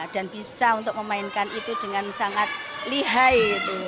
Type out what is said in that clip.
dan bisa untuk memainkan itu dengan sangat lihai